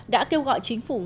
đã kêu gọi chính phủ nga